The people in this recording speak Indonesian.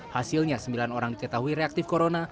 hasilnya sembilan orang diketahui reaktif corona